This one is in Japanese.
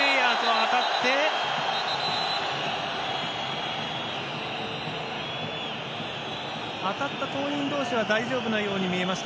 当たった当人同士は大丈夫なように見えました。